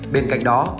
bên cạnh đó